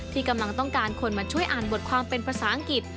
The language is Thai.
ที่กำลังต้องการคนมาช่วยอ่านบทความเป็นภาษาอังกฤษ